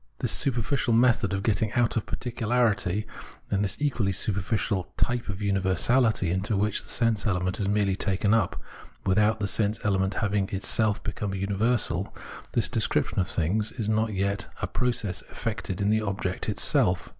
This super ficial method of gettuag out of particularity, and this equally superficial type of universahty, into which the sense element is merely taken up, without the sense element havmg in itself become a universal, this descrip tion of things — is not as yet a process effected in the object itself.